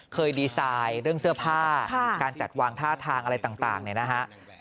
เคยดีไซน์เรื่องเสื้อผ้าการจัดวางท่าทางอะไรต่างเนี่ยนะฮะ